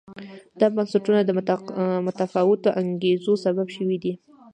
دا بنسټونه د متفاوتو انګېزو سبب شوي دي.